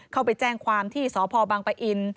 เข้าไปแจ้งความที่สพบังปะอิน